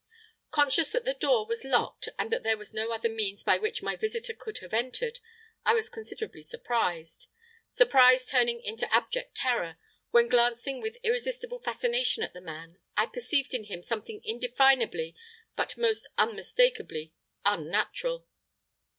"Conscious that the door was locked and that there was no other means by which my visitor could have entered, I was considerably surprised surprise turning into abject terror when, glancing with irresistible fascination at the man, I perceived in him something indefinably but most unmistakably Unnatural.